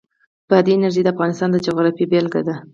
بادي انرژي د افغانستان د جغرافیې بېلګه ده.